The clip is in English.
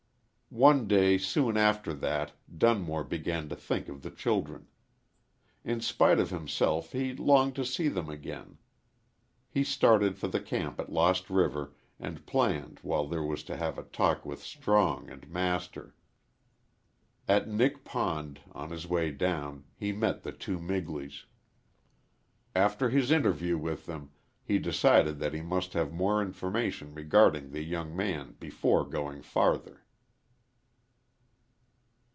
One day soon after that Dunmore began to think of the children. In spite of himself he longed to see them again. He started for the camp at Lost River, and planned while there to have a talk with Strong and Master. At Nick Pond, on his way down, he met the two Migleys. After his interview with them he decided that he must have more information regarding the young man before going farther.